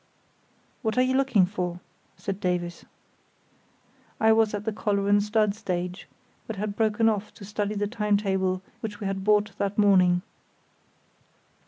"What are you looking for?" said Davies. I was at the collar and stud stage, but had broken off to study the time table which we had bought that morning.